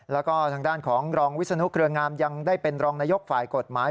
แล้วก็ทางด้านของรองวิศนุเครืองามยังได้เป็นรองนายกฝ่ายกฎหมาย